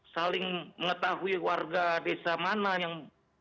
saling mengetahui warga desa mana yang